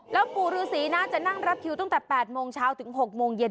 แล้วปู่ฤษีนะจะนั่งรับคิวตั้งแต่๘โมงเช้าถึง๖โมงเย็น